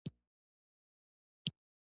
حسن چې رنګونه دفطرت اخلي